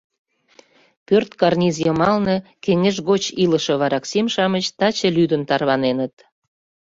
Пӧрт карниз йымалне кеҥеж гоч илыше вараксим-шамыч таче лӱдын тарваненыт.